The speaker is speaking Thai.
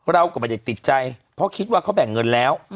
เราก็ไม่ได้ติดใจเพราะคิดว่าเขาแบ่งเงินแล้ว